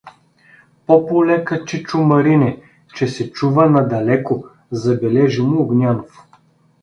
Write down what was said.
— По-полека, чичо Марине, че се чува надалеко — забележи му Огнянов.